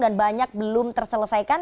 dan banyak belum terselesaikan